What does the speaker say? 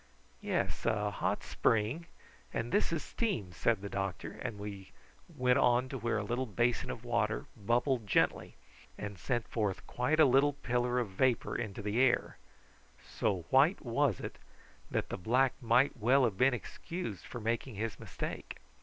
"Yes, a hot spring, and this is steam," said the doctor, as we went on to where a little basin of water bubbled gently, and sent forth quite a little pillar of vapour into the air; so white was it that the black might well have been excused for making his mistake.